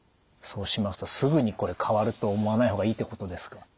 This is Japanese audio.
そうしますとすぐにこれ変わると思わない方がいいってことですか。